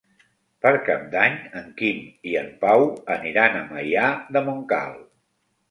Per Cap d'Any en Quim i en Pau aniran a Maià de Montcal.